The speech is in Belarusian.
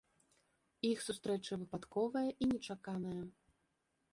Іх сустрэча выпадковая і нечаканая.